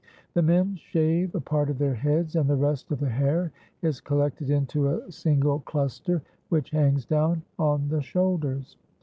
The men shave a part of their heads, and the rest of the hair is collected into a single cluster, which hangs down on the shoulders.